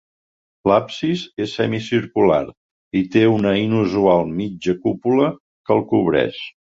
L'absis és semicircular i té una inusual mitja cúpula que el cobreix.